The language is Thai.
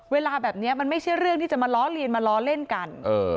เวลาแบบนี้มันไม่ใช่เรื่องที่จะมาล้อเลียนมาล้อเล่นกัน